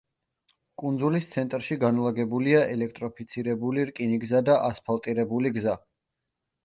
კუნძულის ცენტრში განლაგებულია ელექტროფიცირებული რკინიგზა და ასფალტირებული გზა.